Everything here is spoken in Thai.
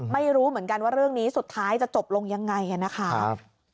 ไม่รู้เหมือนกันว่าเรื่องนี้สุดท้ายจะจบลงยังไงนะคะ